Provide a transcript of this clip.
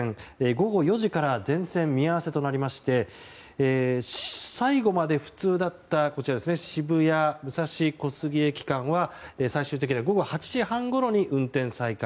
午後４時から全線見合わせとなりまして最後まで不通だった渋谷武蔵小杉駅間は最終的には午後８時半ごろに運転再開。